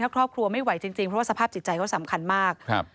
ถ้าครอบครัวไม่ไหวจริงเพราะว่าสภาพจิตใจก็สำคัญมาก